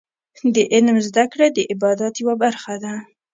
د علم زده کړه د عبادت یوه برخه ده.